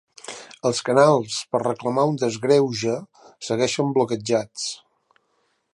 Els canals per reclamar un desgreuge segueixen bloquejats.